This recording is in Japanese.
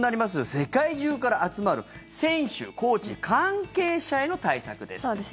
世界中から集まる選手、コーチ関係者への対策です。